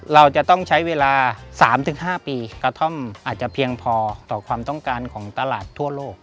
เราจะต้องใช้เวลา๓๕ปีกระท่อมอาจจะเพียงพอต่อความต้องการของตลาดทั่วโลก